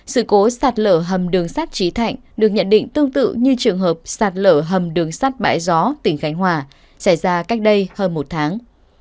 sự cố sạt lở hầm đường sắt trí thạnh được nhận định tương tự như trường hợp sạt lở hầm đường sắt bãi gió tỉnh khánh hòa xảy ra cách đây hơn một tháng